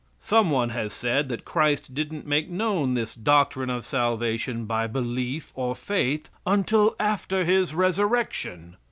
Some one has said that Christ didn't make known this doctrine of salvation by belief or faith until after His resurrection.